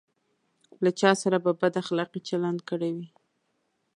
له چا سره په بد اخلاقي چلند کړی وي.